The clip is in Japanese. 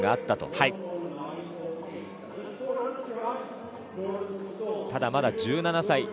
ただ、まだ１７歳。